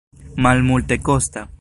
malmultekosta